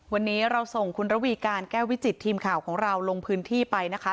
วันนี้เราส่งคุณระวีการแก้ววิจิตทีมข่าวของเราลงพื้นที่ไปนะคะ